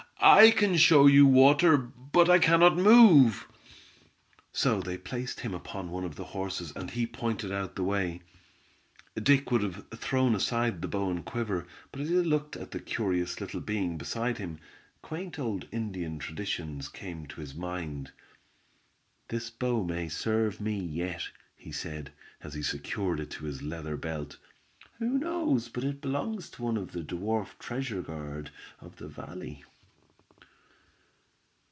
"I can show you water, but I cannot move!" So they placed him upon one of the horses, and he pointed out the way. Dick would have thrown aside the bow and quiver, but as he looked at the curious little being beside him, quaint old Indian traditions came to his mind. "This bow may serve me yet," he said, as he secured it to his leather belt. "Who knows but it belongs to one of the dwarf treasure guard of the valley."